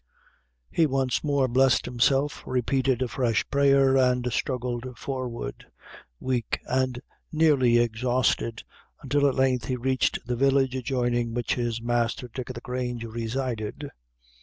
He once more blessed himself, repeated a fresh prayer, and struggled forward, weak, and nearly exhausted, until at length he reached the village adjoining which his master, Dick o' the Grange, resided.